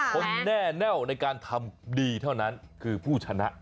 คนแน่แน่วในการทำดีเท่านั้นคือผู้ชนะ